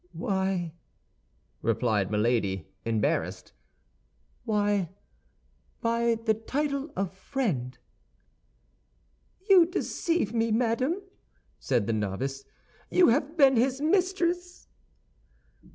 "Why," replied Milady, embarrassed, "why, by the title of friend." "You deceive me, madame," said the novice; "you have been his mistress!"